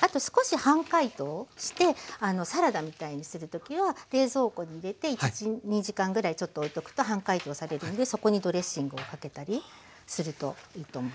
あと少し半解凍してサラダみたいにする時は冷蔵庫に入れて１２時間ぐらいちょっとおいておくと半解凍されるのでそこにドレッシングをかけたりするといいと思います。